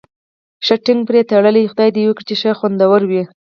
ښه ټینګ پرې تړلی، خدای دې وکړي چې ښه خوندور وي.